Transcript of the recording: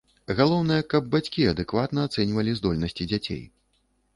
Галоўнае, каб бацькі адэкватна ацэньвалі здольнасці дзяцей.